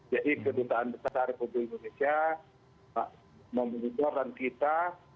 jadi kedutaan besar republik indonesia memimpin orang kita